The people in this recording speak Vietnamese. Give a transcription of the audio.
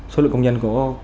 số lượng công nhân của